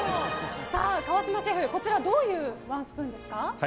川島シェフ、こちらどういうワンスプーンですか？